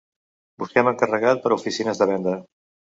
Busquem encarregat per a oficines de venda.